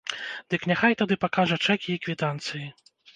Дык няхай тады пакажа чэкі і квітанцыі.